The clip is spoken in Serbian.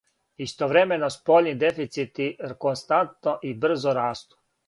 Истовремено, спољни дефицити константно и брзо расту.